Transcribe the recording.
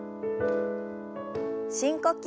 深呼吸。